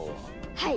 はい！